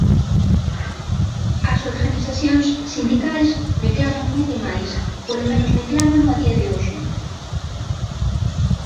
As organizacións sindicais reclaman moito máis, polo menos reclámano a día de hoxe.